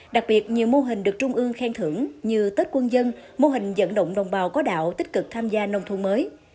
đặc biệt nhiều mô hình được trung ương khen thưởng như tết quân dân mô hình dẫn động đồng bào có đạo tích cực tham gia nông thôn mới